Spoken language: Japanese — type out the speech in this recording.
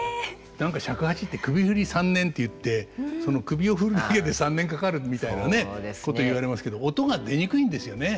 何か尺八って「首振り３年」っていって首を振るだけで３年かかるみたいなこと言われますけど音が出にくいんですよね。